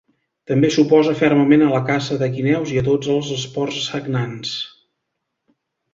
També s'oposa fermament a la caça de guineus i a tots els esports sagnants.